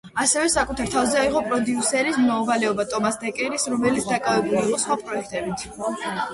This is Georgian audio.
ასევე საკუთარ თავზე აიღო პროდიუსერის მოვალეობა ტომას დეკერის რომელიც დაკავებული იყო სხვა პროექტებით.